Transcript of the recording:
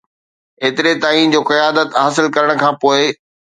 ايتري تائين جو قيادت حاصل ڪرڻ کان پوء